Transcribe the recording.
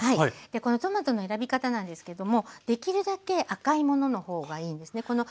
このトマトの選び方なんですけどもできるだけ赤いものの方がいいんですね。